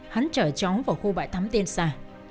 hắn trở chóng vào khu bãi tắm tiên xa